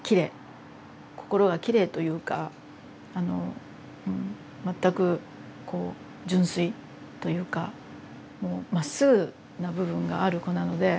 心がきれいというかあの全くこう純粋というかもうまっすぐな部分がある子なので。